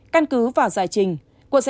căn cứ vào giải trình quận sẽ